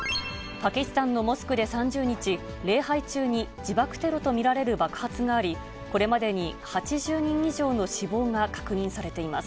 パキスタンのモスクで３０日、礼拝中に自爆テロと見られる爆発があり、これまでに８０人以上の死亡が確認されています。